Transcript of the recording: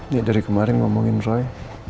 dia dari kemarin ngomongin roy